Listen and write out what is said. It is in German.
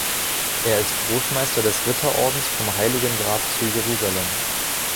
Er ist Großmeister des Ritterordens vom Heiligen Grab zu Jerusalem.